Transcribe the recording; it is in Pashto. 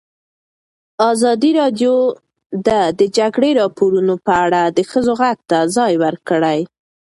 ازادي راډیو د د جګړې راپورونه په اړه د ښځو غږ ته ځای ورکړی.